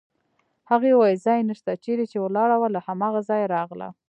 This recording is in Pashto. هغې وویل: ځای نشته، چېرې چې ولاړه وه له هماغه ځایه راغله.